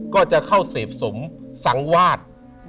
ก็จะเข้าเสพสมสังวาส